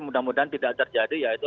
mudah mudahan tidak terjadi yaitu